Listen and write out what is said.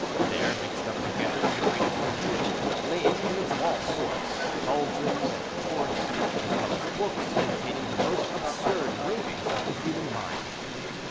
There, mixed up together in the greatest confusion, lay instruments of all sorts, caldrons and retorts, as well as books containing the most absurd ravings of the human mind.